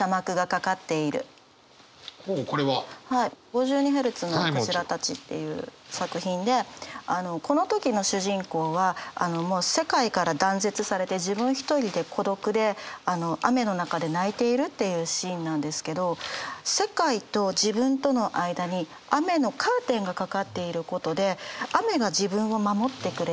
「５２ヘルツのクジラたち」っていう作品でこの時の主人公はもう世界から断絶されて自分一人で孤独で雨の中で泣いているっていうシーンなんですけど世界と自分との間に雨のカーテンがかかっていることで雨が自分を守ってくれている。